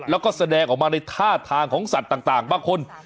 แล้วก็แสดงออกมาในท่าทางของสัตว์ต่างบางคน